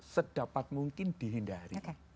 sedapat mungkin dihindari